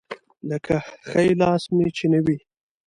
لکه ښی لاس مې چې نه وي.